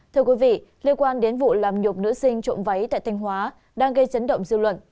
thưa quý vị liên quan đến vụ làm nhục nữ sinh trộm váy tại thanh hóa đang gây chấn động dư luận